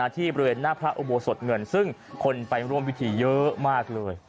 ที่บริเวณหน้าพระอุโบสถเงินซึ่งคนไปร่วมพิธีเยอะมากเลย